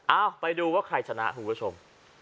อ้าวไปดูว่าใครชนะถูกประชม